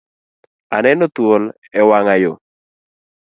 Aneno thuol e wanga yo